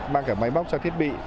mang cả máy móc cho thiết bị